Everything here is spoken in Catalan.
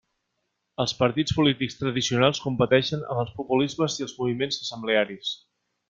Els partits polítics tradicionals competeixen amb els populismes i els moviments assemblearis.